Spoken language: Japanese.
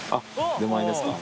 出前ですか？